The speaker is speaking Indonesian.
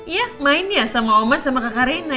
iya main ya sama oma sama kak arena